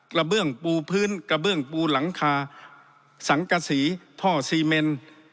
เบื้องปูพื้นกระเบื้องปูหลังคาสังกษีท่อซีเมน